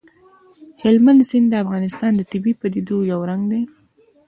هلمند سیند د افغانستان د طبیعي پدیدو یو رنګ دی.